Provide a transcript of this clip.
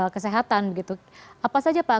kesehatan apa saja pak